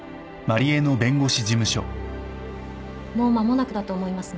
もう間もなくだと思いますので。